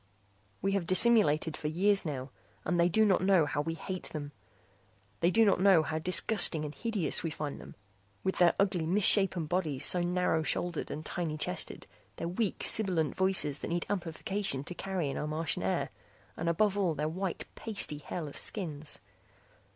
We have dissimulated for years now, and they do not know how we hate them. They do not know how disgusting and hideous we find them, with their ugly misshapen bodies, so narrow shouldered and tiny chested, their weak sibilant voices that need amplification to carry in our Martian air, and above all their white pasty hairless skins.